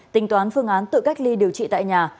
tính toán phương án tự cách ly điều trị tại nhà